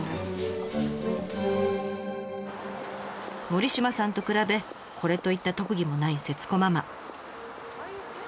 森島さんと比べこれといった特技もない節子ママ。